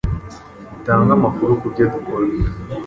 Dutange amakuru ku byo dukora